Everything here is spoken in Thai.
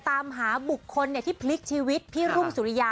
ตามหาบุคคลที่พลิกชีวิตพี่รุ่งสุริยา